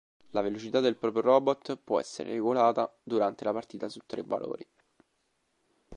La velocità del proprio robot può essere regolata durante la partita su tre valori.